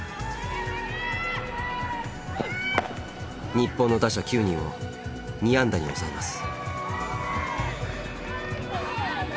日本の打者９人を２安打に抑えます。